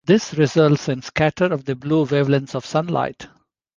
This results in scatter of the blue wavelengths of sunlight.